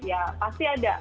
ya pasti ada